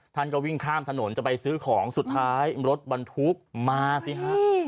ท่านก็วิ่งข้ามถนนจะไปซื้อของสุดท้ายรถบรรทุกมาสิฮะ